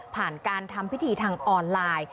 ผ่านการทำพิธีทางออนไลน์